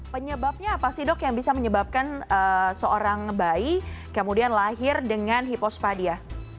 penyebabnya apa sih dok yang bisa menyebabkan seorang bayi kemudian lahir dengan hipospadia